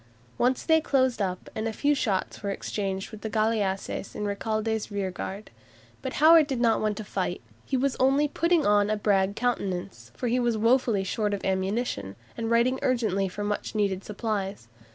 Once they closed up, and a few shots were exchanged with the galleasses in Recalde's rearguard. But Howard did not want to fight. He was only "putting on a brag countenance," for he was woefully short of ammunition, and writing urgently for much needed supplies.